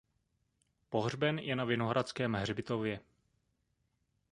Pohřben je na Vinohradském hřbitově.